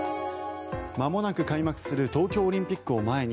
まもなく開幕する東京オリンピックを前に